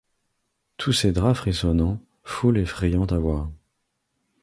Tous ces draps frissonnants, foule effrayante à voir